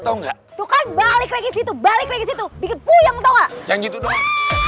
tahu nggak tuh kan balik lagi situ balik lagi situ bikin puyeng tahu nggak yang gitu dong